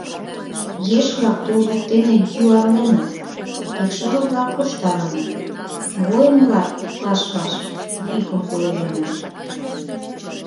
Еш-влак тул воктене юарленыт, икшыве-влак куржталыныт, воин-влак ваш-ваш йӱкым пуэденыт.